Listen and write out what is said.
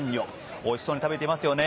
おいしそうに食べていますよね。